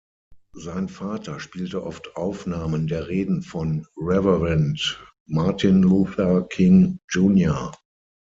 Sein Vater spielte oft Aufnahmen der Reden von Reverend Martin Luther King, Jr.